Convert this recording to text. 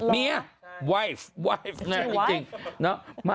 เมียวัยฟวัยฟเนี่ยไม่จริง